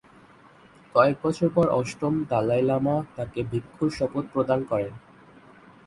কয়েক বছর পর অষ্টম দলাই লামা তাকে ভিক্ষুর শপথ প্রদান করেন।